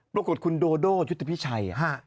ปรากฏคุณโดโดยุทธพิชัย